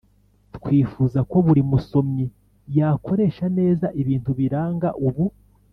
Twifuza ko buri musomyi yakoresha neza ibintu biranga ubu